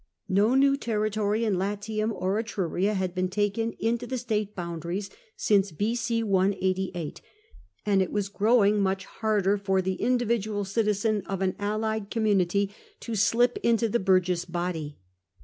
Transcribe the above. No new territory in Latium or Etruria had been taken into the state boundary since B.C. i88, and it was growing much harder for the individual citizen of an allied community to slip into the burgess body.